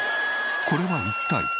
これは一体？